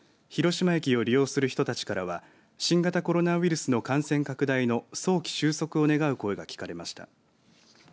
広島駅を利用する人たちからは新型コロナウイルスの感染拡大の早期収束を願う声が聞かれました。